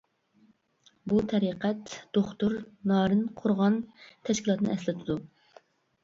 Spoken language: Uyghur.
بۇ تەرىقەت دوختۇر نارىن قۇرغان تەشكىلاتنى ئەسلىتىدۇ.